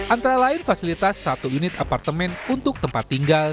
antara lain fasilitas satu unit apartemen untuk tempat tinggal